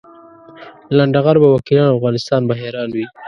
لنډه غر به وکیلان او افغانستان به حیران وي.